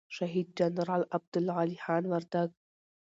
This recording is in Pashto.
شهید جنرال عبدالعلي خان وردگ